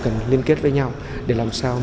cần liên kết với nhau để làm sao